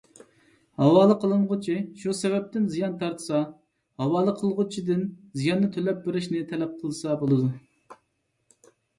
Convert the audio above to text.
ھاۋالە قىلىنغۇچى شۇ سەۋەبتىن زىيان تارتسا، ھاۋالە قىلغۇچىدىن زىياننى تۆلەپ بېرىشنى تەلەپ قىلسا بولىدۇ.